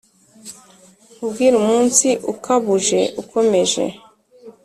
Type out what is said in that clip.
nkubwire umunsi ukabuje ukomeje